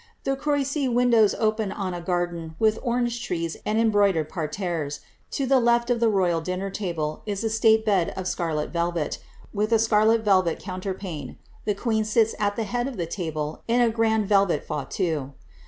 The croissie windows o\ien on a garden with orange trees and embroidered parterres; to the left of the royal dinner table is a state bed of scarlet velvet, with a scarlet velvet counterpane : the queen sits at the head of the table in a erand velvet fauteuil.